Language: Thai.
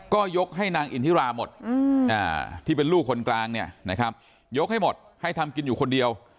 ก็ยกให้นางอินทิราหมดที่เป็นลูกคนกลางเนี่ยนะครับยกให้หมดให้ทำกินอยู่คนเดียว